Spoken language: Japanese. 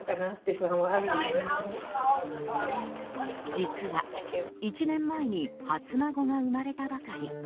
実は、１年前に初孫が生まれたばかり。